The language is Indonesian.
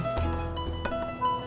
siapa yang mau menampung